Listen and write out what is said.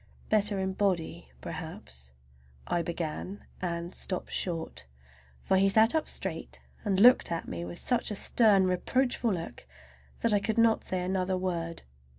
"Better in body perhaps"—I began, and stopped short, for he sat up straight and looked at me with such a stern, reproachful look that I could not say another word.